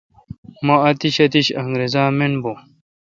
مہ اتش اتش انگرزا من بھو